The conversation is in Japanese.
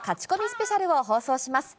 スペシャルを放送します。